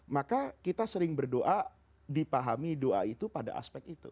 maka kita sering berdoa dipahami doa itu pada aspek itu